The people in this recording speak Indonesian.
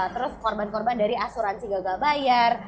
terus korban korban dari asuransi gagal bayar